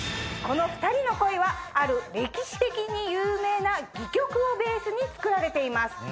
この２人の恋はある歴史的に有名な戯曲をベースに作られています。